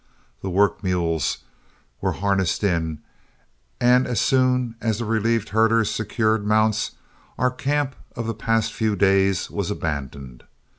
The work mules were harnessed in, and as soon as the relieved herders secured mounts, our camp of the past few days was abandoned.